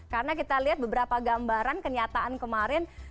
karena kita lihat beberapa gambaran kenyataan kemarin